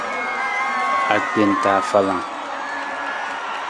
Agbenta afalang.